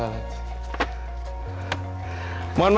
dan kemudian dikumpulkan ke dalam kentang